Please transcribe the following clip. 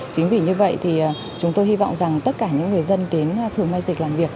chính vì như vậy thì chúng tôi hy vọng rằng tất cả những người dân đến phường mai dịch làm việc